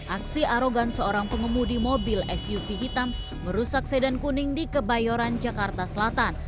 aksi arogan seorang pengemudi mobil suv hitam merusak sedan kuning di kebayoran jakarta selatan